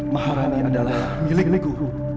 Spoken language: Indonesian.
maharani adalah milikku